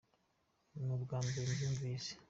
nubwambere mbyumvise.